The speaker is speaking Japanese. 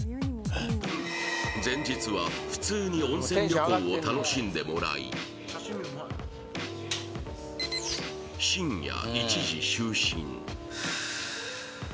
前日は普通に温泉旅行を楽しんでもらい深夜１時就寝。